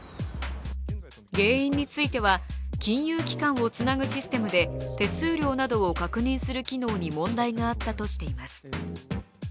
原因については、金融機関を繋ぐシステムで手数料などを確認する機能に問題があったとしています。